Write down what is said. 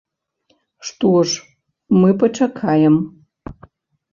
Што ж, мы пачакаем.